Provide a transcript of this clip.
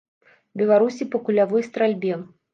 Беларусі па кулявой стральбе.